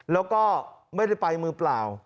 แล้วก็ไม่ได้ไปมือเปล่า